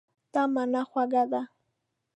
دا مڼه خوږه ده.